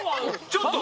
ちょっと。